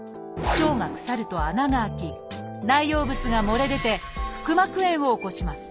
腸が腐ると穴が開き内容物が漏れ出て腹膜炎を起こします。